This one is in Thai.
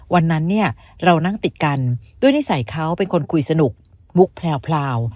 วันนั้นเนี่ยเรานั่งติดกันด้วยนิสัยเขาเป็นคนคุยสนุกมุกแพลว